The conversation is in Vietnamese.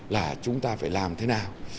là chúng ta phải làm thế nào